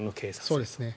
そうですね。